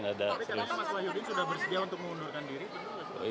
tapi kenapa mas mahyudin sudah bersedia untuk mengundurkan diri